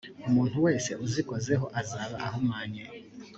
umuntu wese uzikozeho azaba ahumanye